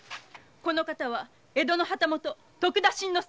この方は江戸の旗本徳田新之助。